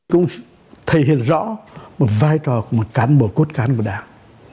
cũng thể hiện rõ một vai trò của một cán bộ cốt cán của đảng